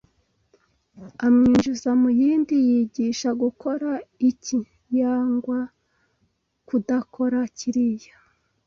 awinjiza mu yindi yigisha gukora iki yangwa kudakora kiriya